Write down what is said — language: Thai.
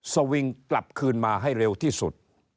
สวิงกลับคืนมาให้เร็วที่สุด